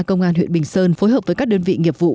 công an huyện bình sơn phối hợp với các đơn vị nghiệp vụ